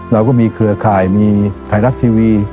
เราก็มีเครือข่ายมีไทยรัฐทีวี